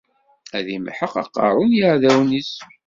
Ad imḥeq aqerru n yiεdawen-is.